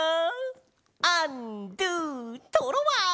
アンドゥトロワ！